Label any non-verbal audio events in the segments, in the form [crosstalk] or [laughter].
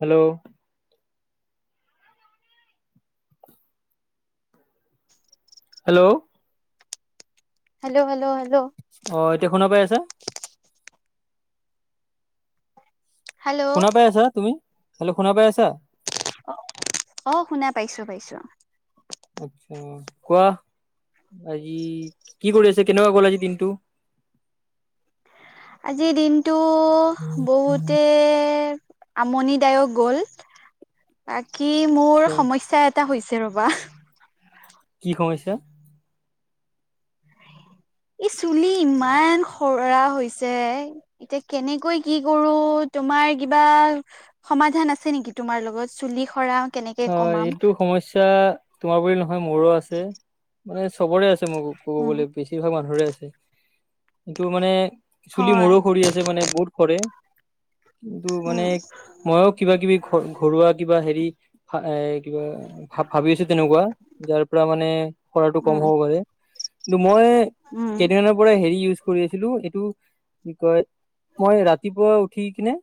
Hello hello! Hello hello hello অহ', এতিয়া শুনা পাই আছা? হেল্ল' শুনা পাই আছা তুমি? হেল্লে' শুনা পাই আছা? অ', শুনা পাইছোঁ। আতছা, কোৱা, আজি কি কৰি আছ আজি কেনেকুৱা গ'ল আজি দিনটো? আজিৰ দিনটো বহুতে আমনিদায়ক গ'ল। বাকী মোৰ আচ্ছা সমস্যা এটা টা হৈছে ৰ'বা। কি সমস্যা? এই চুলি ইমান সৰা হৈছে, এতিয়া কেনেকৈ কি কৰো তোমাৰ কিবা সমাধান আছে নেকি? তোমাৰ লগত চুলি সৰা? কেনেকে হয়, কমাম এইটো সমস্যা তোমাৰ বুলি নহয় হয়, মোৰো আছে। মানে চবৰে আছে, মোক ক'ব উম গলে বেছিভাগ মানুহৰে আছে। এইটো মানে, চুলি হয় মোৰও সৰি আছে মানে বহুত সৰে। এইটো মানে, উম মইও কিবা কিবি ঘ-ঘৰুৱা কিবা হেৰি এ কিবা ভা-ভাবি আছো তেনেকুৱা, যাৰ পৰা মানে সৰাতটো কম উম হ'ব পাৰে। কিন্তু মই, উম কেইদিনানৰ পৰা হেৰি ইউজ কৰি আছিলোঁ, এইটো কি কয় মই ৰাতিপুৱা উঠি কিনে,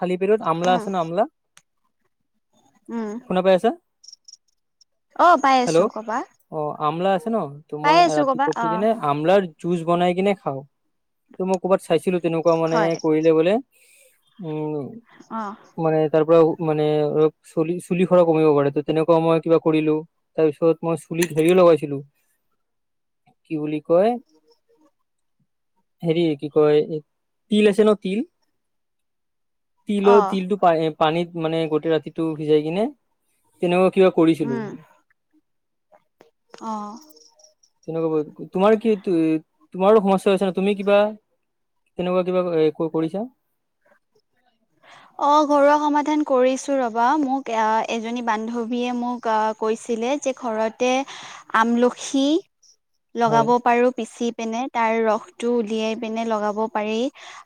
খালী পেটত আমলা উম আছে ন' আমলা উম শুনা পাই আছা? অ পাই আছো হেল্ল', কবা অ, আমলা আছে ন ত' পাই মই আছো কবা ৰাতিপোৱা উঠি অ কিনে আমলাৰ জুচ বনাই কিনে খাওঁ। ত' মই ক'বাত চাইছিলো তেনেকুৱা মানে হয় কৰিলে বোলে উম, অ মানে তাৰ পৰা ও মানে অলপ চলি-চুলি সৰাও কমিব পাৰে, ত' তেনেকুৱাও মই কিবা কৰিলো, তাৰ পিছত মই চুলিত হেৰিও লগাইছিলো কি বুলি কয় হেৰি কি কয়, তিল আছে ন' তিল অ তিলৰ তিলটো পা-পানীত মানে গোটেই ৰাতিটো সিজাই কিনে তেনেকুৱা কিবা উম কৰিছিলোঁ। অ', তেনেকুৱা, তোমাৰ কি [unintelligible] তোমাৰো সমস্যা হৈছে ন' তুমি কিবা তেনেকুৱা কিবা হেৰি ক-কৰিছা? অ', ঘৰুৱা সমাধান কৰিছোঁ ৰ'বা, মোক এ-এজনী বান্ধৱীয়ে মোক অ, কৈছিলে যে ঘৰতে আমলখি লগাব হয় পাৰো, পিচি পিনে, তাৰ ৰসটো উলিয়াই পিনে লগাব পাৰি,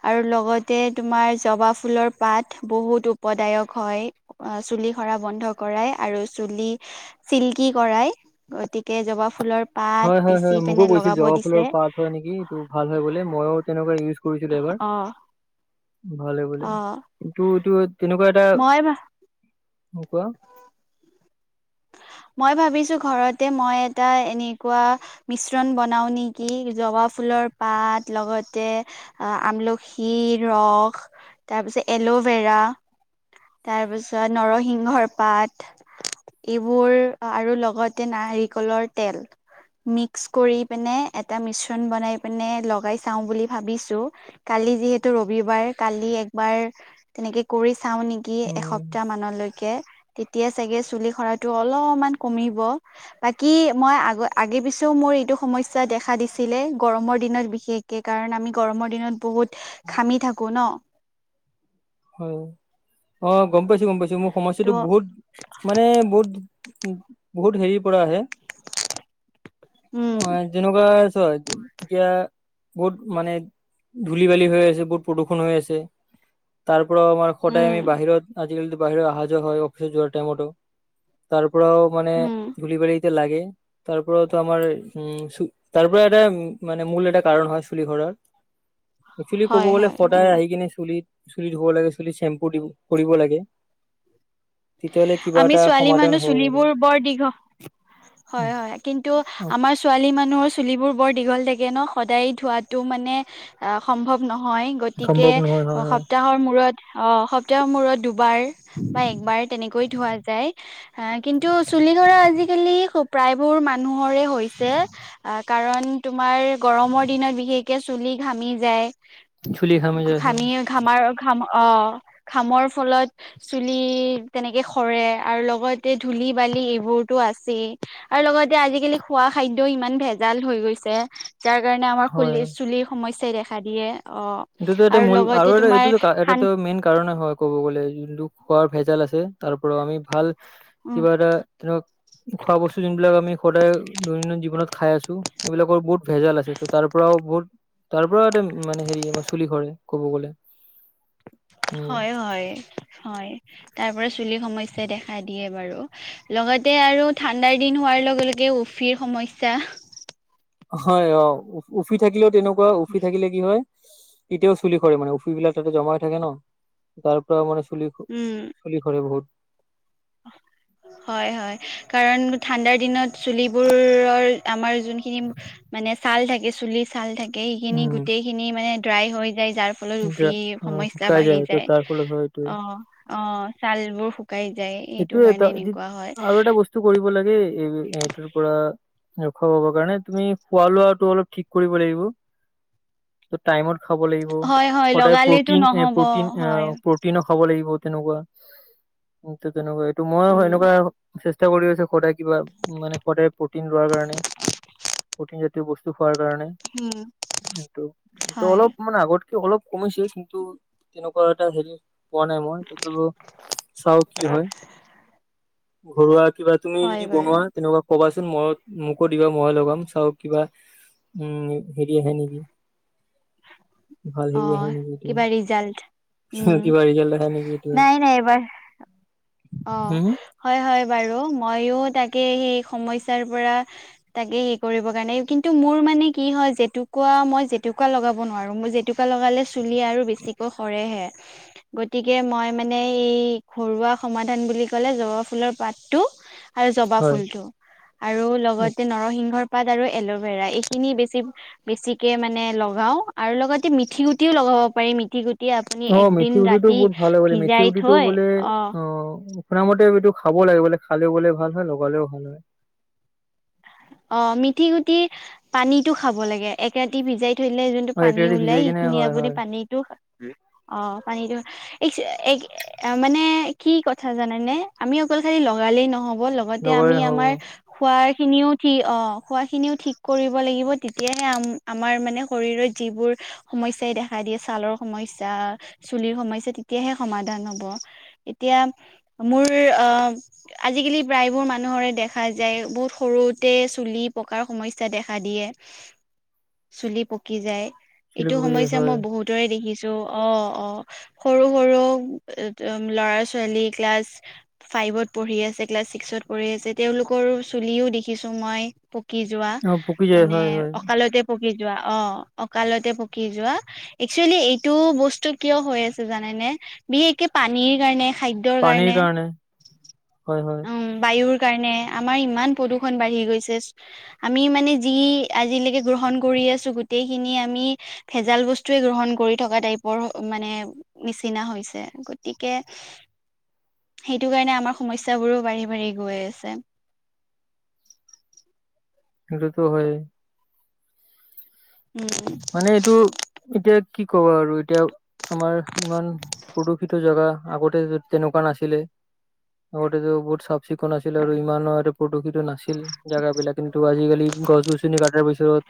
আৰু লগতে তোমাৰ জবাব ফুলৰ পাত বহুত উপদায়ক হয়, আ চুলি সৰা বন্ধ কৰাই। আৰু চুলি চিল্কি কৰাই, গতিকে জবাব ফুলৰ পাত হয়, হয়, পিচি হয় মোকো পিনে কৈছিল লগাব জবাব দিছে ফুলৰ পাত হয় নেকি, এইটো ভাল হয় বোলে মইও তেনেকুৱা ইউজ কৰিছিলোঁ এবাৰ। অ', ভাল হয় বোলে, অ', কিন্তু এইটো তেনেকুৱা এটা মই [unintelligible] মই ভাবিছোঁ ঘৰতে মই এটা এনেকুৱা মিশ্ৰণ বনাও নেকি, জবাব ফুলৰ ৰ পাত, লগতে আ-আমলখিৰ ৰস। তাৰপিছত এল'ভেৰা, তাৰ পিছত নৰসিংহৰ পাত, এইব বোৰ, আৰু লগতে নাৰিকলৰ তেল। মিস্ক কৰি পেনে এটা মিশ্ৰণ বনাই পেনে লগাই চাওঁ বুলি ভাবিছোঁ। কালি কালি যিহেতু ৰবিবাৰ, কালি একবাৰ তেনেকে কৰি চাওঁ নেকি উম এসপ্তাহ মানলৈকে, তেতিয়া চাগে চুলি সৰাত অলপমান কমিব, বাকি মই আগ-আগে পিছেও মোৰ এইটো সমস্যা দেখা দিছ ছিলে গৰমৰ দিনত বিশেষকে কাৰণ আমি গৰমৰ দিনত বহুত ঘামি থাকো ন। [unintelligible] হয়। অ', গম পাইছো গম পাইছো মোৰ সমস্যাটো ত' বহুত মানে বহুত [unintelligible] বহুত হেৰিৰ পৰা আহে। উম অ', যেনেকুৱা চ [unintelligible] এতিয়া বহুত মানে ধূলি বালি হৈ আছে, বহুত প্ৰদূষণ হৈ আছে। তাৰ পৰা আমাৰ সদায় উম আমি বাহিৰত আজিকালিতো বাহিৰত অহা যোৱা হয়, অফিচত যোৱাৰ টাইমতো। তাৰ পৰাও মানে উম ধূলি বালি লাগে, তাৰ পৰাওতো আমাৰ উম, চু তাৰ পৰা এটা মানে মূল এটা কাৰণ হয় চুলি সৰাৰ। একচলি ক'ব হয় গ'লে হয় সদায় উম আহি কিনি চুলিত চুলি ধুব লাগে, চুলিত চেম্পু দি কৰিব লাগে। তেতিয়াহ'লে কিবা আমি এটা ছোৱালী সমাধান মানুহ হ'ব পাৰে। চুলিবোৰ বৰ দীঘ হয় হয়, কিন্তু আমাৰ ছোৱালী মানুহৰ চুলি বো বোৰ বৰ দীঘল থাগে ন, সদায় ধোৱাটো মানে অ', সম্ভৱ নহ হয় গতিকে সম্ভৱ নহয় হয় হয় সপ্তাহৰ মূৰত অ', সপ্তাহৰ মূৰত দুব বাৰ বা একবাৰ তেনেকৈ ধোৱা যায়, আ', কিন্তু চুলি সৰা আজি কালি প্ৰায়বোৰ মানুহৰে হৈছে, আ কাৰণ তোমাৰ গৰমৰ দিনত বিশেষকে চুলি ঘামি যায়। চুলি ঘামি যায় হয় ঘামিৰ ঘামাৰ ঘাম অ', ঘামৰ ফলত চুলি তেনেকে সৰে আৰু লগতে এ ধূলি বা লি এইবোৰতো আছেই, আৰু লগতে আজিকালি খোৱা খাদ্যও ইমান ভেজাল হৈ গৈছে। যাৰ কাৰণে আমাৰ হয় খুলি হয়। চুলিৰ সমস্যাই দেখা দিয়ে। অ এইটোতো এটা মূল লগতে আৰু এটা তোমাৰ এইটোতো ঠান এইটাতো মেইন কাৰণে হয় ক'ব গ'লে যোনটো খোৱাৰ ভেজাল আছে। তাৰ পৰা আমি ভাল উম কিবা এটা তেনেকুৱা খোৱা বস্তু যোনবিলাক আমি সদায় দৈনন্দিন জীৱনত খাই আছোঁ, এইবিলাকৰ বহুত ভেজাল আছে ত' তাৰ পৰাও বহুত তাৰ পৰা এটা মানে হেৰি আমাৰ চুলি সৰে ক'ব গ'লে। তেনেকুৱা। হয় হয়, হয়। তাৰ পৰা চুলিৰ সমস্যাই দেখা দিয়ে বাৰু, লগতে আৰু ঠাণ্ডাৰ দিন হোৱাৰ লগে লগে উফ ফিৰ সমস্যা হয় অ', উফ-উফি থাকিলেও তেনেকুৱা, উফি থাকিলে কি হয় তেতিয়াও চুলি সৰে মানে উফি বিলাক তাতে জমাই হৈ থাকে ন, তাৰ পৰা মানে চু চুলি স, উম চুলি সৰে বহুত। হয় হয়, কাৰণ ঠাণ্ডাৰ দিনত চুলিবোৰৰ আমাৰ যোনখিনি মানে ছাল থাকে চুলিৰ ছাল থাকে, সেইখিনি উম গোটেইখিনি মানে ড্ৰাই হৈ যায় যাৰ ফলত এতিয়া উফিৰ অ সমস্যা শুকাই বাঢ়ি ত যায়, তাৰ ফলত হয় এইটোৱে। অ'। অ', ছালবোৰ শুকাই যায়। সেইটো এইটোয়ে এটা, কাৰণে এনেকুৱা হয় আৰু এটা বস্তু কৰিব লাগে এই এইটোৰ পৰা ৰক্ষা পাব কাৰণে তুমি খোৱা লোৱাটো অলপ ঠিক কৰিব লাগিব। টাইমত খাব লাগিব, হয় হয় সদায় লগালেতো প্ৰটিন এ নহব প্ৰটিন এ হয় প্ৰটিনো খাব লাগিব। তেনেকুৱা। তেনেকুৱা এইটো মই উম এনেকুৱা চেষ্টা কৰি আছে সদায় কিবা মানে সদায় প্ৰটিন লোৱাৰ কাৰণে, প্ৰটিন জাতীয় বস্তু খোৱাৰ কাৰণে। উম কিন্তু সেইটো হয় অলপ মানে আগত অলপ কমিছিল কিন্তু তেনেকুৱা এটা হেৰি পোৱা নাই মই, তথাপিও চাও কি হয় [inaudible] ঘৰুৱা কিবা তুমি হয় যদি বাৰু বনোৱা তেনেকুৱা কোৱাচো ময়ো মোকো দিবা মই লগাম চাওঁ কিবা উম, হেৰি আহে নেকি। ভাল অ হেৰি কিবা ৰিজাল্ট আহে উম [unintelligible] কিবা ৰিজাল্ট দেখা নেকি এইটোৱে। নাই নাই এইবাৰ অ', হয়, হম হয়। হয় বাৰু। মইও তাকে সেই সমস্যাৰ পৰা তাকে সেই কৰিব কাৰণে কিন্তু মোৰ মানে কি হয় জেতুকা মই জেতুকা লগাব নোৱাৰো। মই জেতুকা লগালে সু চুলি আৰু বেছিকৈ সৰেহে গতিকে মই মানে ঘৰুৱা সমাধান বুলি ক'লে জবা ফুলৰ পাতটো আৰু জবা হয় ফুলটো। আৰু লগতে নৰসিংহৰ পাত আৰু এল'ভেৰা এইখিনি বেছি বেছিকে মানে লগাওঁ। আৰু লগতে মিঠি গুটিও লগা ব পাৰি মেথি গুটি আপুনি অ', একদিন মেথি গুটিটো ৰাতি বহুত ভাল হয় বোলে মেথি ভিজাই উটিটো থৈ বোলে অ' শুনা মতে এইটো খাব লাগে বোলে খালেও বোলে ভাল হয় লগালেও ভাল হয়। অ', মেঠি গুটি পানীতো খাব লাগে এক ৰাতি ভিজাই থৈ দিলে যোনটো অ এক পানী ৰাতি ওলাই ভিজাই কিনে সেইখিনি হয় আপুনি হয় পানীটো অ' পানীটো এক মানে কি কথা জানেনে। আমি অকল খালি লগালেই নহ'ব। লগতে লগালে আমি নহব আমাৰ খোৱাখিনিও কি অ খোৱাখিনিও ঠিক কৰিব লাগিব। তেতিয়াহে আম আমাৰ মানে শৰীৰত যিবোৰ সমস্যাই দেখা দিয়ে ছালৰ সমস্যা চুলিৰ সমস্যা তেতিয়াহে সমাধান হ'ব। মোৰ অ' আজিকালি প্ৰায়বোৰ মানুহৰে দেখা যায় বহুত সৰু তে চুলি পকাৰ সমস্যা দেখা দিয়ে। চুলি পকি যায়। চুলি এইটো পকি যায় সমস্যা হয় মই বহুতৰে দেখিছো। টো অ' অ' সৰু সৰু উ-উ ল'ৰা ছোৱালী ক্লাছ ফেইভ ফাইভত পঢ়ি আছে ক্লাছ ছিক্সত পঢ়ি আছে তেওঁলোকৰ চুলিও দেখিছো মই পকি যোৱা অ পকি যায় মানে হয় হয় অকালতে পকি যোৱা অ' অকালতে পকি যোৱা। একচুৱেলি এইটো বস্তু কিয় হৈ আছে জানেনে? বিশেষকে পানীৰ কাৰণে খাদ্যৰ কাৰণে। হয় হয় উম বায়ুৰ কাৰণে আমাৰ ইমান প্ৰদূষ ষন বাঢ়ি গৈছে। আমি মানে যি আজিলৈকে গ্ৰহণ কৰি আছো গোটেইখিনি আমি ভেজাল বস্তুৱে গ্ৰহণ কৰি থকা টাইপৰ মানে নিচিনা হৈছে। গতিকে [inaudible] সেইটো কাৰণে আমাৰ সমস্যাবোৰো বাঢ়ি বাঢ়ি গৈ আছে। সেইটোটো হয়ে। উম মানে এইটো এতিয়া কি ক'ব আৰু এতিয়া আমাৰ ইমান প্ৰদূষিত জেগা আগতে তেনেকুৱা নাছিলে। আগতেটো বহুত চিকুণ আছিল আৰু ইমানো প্ৰদূষিত নাছিল জেগাবিলাক। কিন্তু আজিকালি গছ গছনি কাটাৰ পিছ পিছত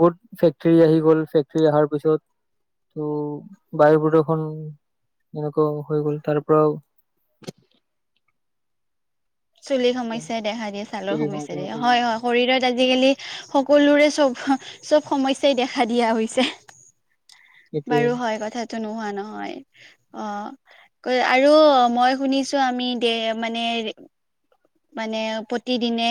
বহুত ফেক্টৰী আহি গ'ল। ফেক্টৰী আহাৰ পিছত ত' বায়ু প্ৰদূষণ এনেকুৱা হৈ গ'ল তাৰ পৰাও [inaudible] চুলিৰ সমস্যাই দেখা দিয়ে ছালৰ সমস্যাই দিয়ে। হয়, হয় শৰীৰত আজিকালি সকলোৰে চব চব সমস্যাই দেখা দিয়া হৈছে। এতিয়া বাৰু হয় কথটো নোহোৱা নহয়। হয়, অ' আৰু মই শুনিছো আমি দে মানে মানে প্ৰতিদিনে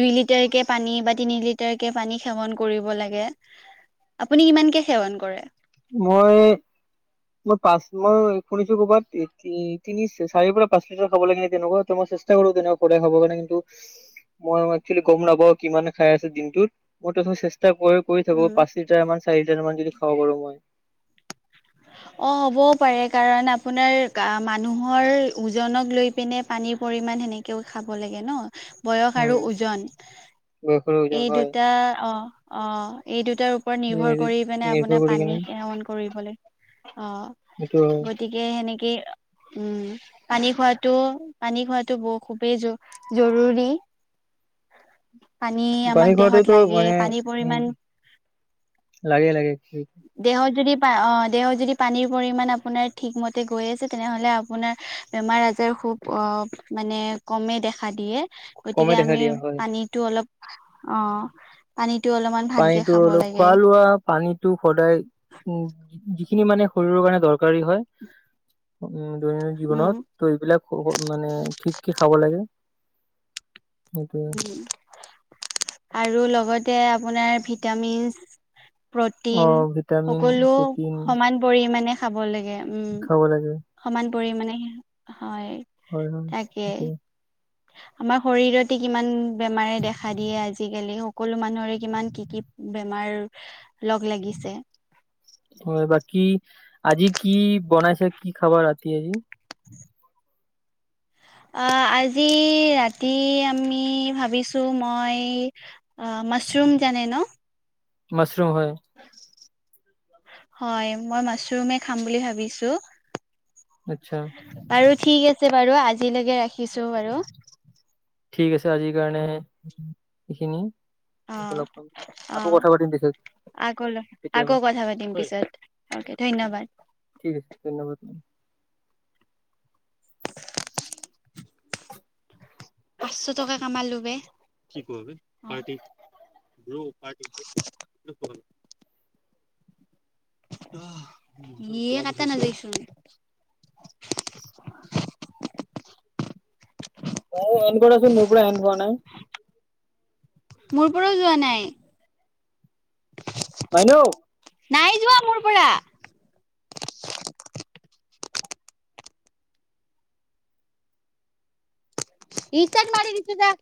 দুই লিটাৰকে পানী বা তিনি লিটাৰ কে পানী সেৱন কৰিব লাগে। আপুনি কিমানকে সেৱন কৰে? মই মই পাঁচ মই শুনিছো ক'বাত তিনি চাৰিৰ পৰা পাঁচ লিটাৰ খাব লাগে নে তেনেকুৱা মই চেষ্টা কৰো তেনেকুৱা সদায় খাবৰ কাৰণে। কিন্তু মই একচেলি গ'ম নাপাওঁ কিমান খাই আছে দিনটোত। মই তথাপিও চেষ্টা কৰি কৰি থাকো উম, পাঁচ লিটাৰ মান চাৰি লিটাৰ মান যদি খাব পাৰো মই। [inaudible] অঁ হ'বও পাৰে কাৰণ আপোনাৰ মানুহৰ ওজনক লৈ পিনে পানীৰ পৰিমাণ সেনেকেও খাব লাগে ন বয়স আৰু উম ওজন বয়সৰ ওজন এই হয় দুটা অ, অ, এই দুটা তাৰ ওপৰত নিৰ্ভৰ কৰি পিনে নিৰ্ভৰ আপোনাৰ কৰি কিনে পানী সেৱন কৰিবলৈ অ সেইটো হয় গতিকে সেনেকে উম পানী খোৱাটো পানী খোৱাটো ব খুবেই জৰুৰী উ পানী আমাক পানী দেহত খোৱাটোতো লাগে মানে পানীৰ পৰিমাণ লাগে লাগে দেহ যদি অঁ দেহত যদি পানীৰ পৰিমাণ আপোনাৰ ঠিকমতে গৈ আছে তেনেহ'লে আপোনাৰ বেমাৰ আজাৰ খুব মানে কমেই দেখা দিয়ে কমে গতিকে দেখা আমি দিয়া হয় পানীতটো অলপ অ পানী পানীতো হলও খোৱা লোৱা পানীত টো সদায় উ যিখিনি মানে শৰীৰৰ কাৰণে দৰকাৰী হয় উ দৈনন্দিন উম জীৱনত ত এইবিলাক মানে ঠিককে খাব লাগে। সেইটোৱে উ আৰু লগতে আপোনাৰ ভিটামিন অ প্ৰটিন, ভিটামিন সকলো প্ৰটিন সমান পৰিণে খাব লাগে উম, খাব লাগে সমান পৰিমাণে হয়, হয় হয় তাকে সেইটোৱে আমাৰ শৰীৰতে কিমান বেমাৰে দেখা দিয়ে আজিকালি সকলো মানুহৰে কিমান কি কি বেমাৰ আৰু লগ লাগিছে হয় বাকী আজি কি বনাইছে? কি খাব ৰাতি আজি। আজি ৰাতি আমি ভাবিছো মই। মাছৰুম জানে ন? মছৰুম হয়। হয়, মই মাছৰুমে খাম বুলি ভাবিছো। আচ্ছা বাৰু ঠিক আছে বাৰু। আজিলৈকে ৰাখিছো বাৰু। ঠিক আছে আজিৰ কাৰণে, এইখিনি। অ লগ পাম, আকৌ কথা পাতিম পিছত। আক' আকৌ কেতিয়াবা কথা পাতিম পিছতে, অকে ঠিক ধন্যবাদ। ঠিক আছে ধন্যবাদ। পাঁচচ টকা কামলো বে। কি কোৱা? পাৰ্টি? Blue party? [unintelligible] ইয়ে কাতা নাজাইচুন। [inaudible] অ' [unintelligible] [unintelligible] হেন পোৱা নাই। মোৰ পৰাও যোৱা নাই। আইনো। নাই যোৱা মোৰ পৰা। ৰিস্তাৰ্ড মাৰি দিছোঁ জা।